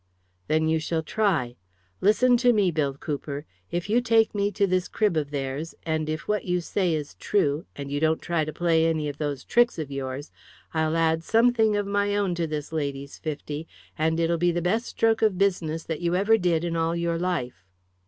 "Then you shall try. Listen to me, Bill Cooper. If you take me to this crib of theirs, and if what you say is true, and you don't try to play any of those tricks of yours, I'll add something of my own to this lady's fifty, and it'll be the best stroke of business that you ever did in all your life."